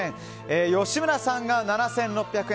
吉村さんが７６００円。